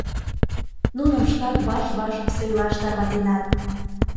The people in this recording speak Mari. Нуным шкак ваш-ваш сӧйлаш тарватенат.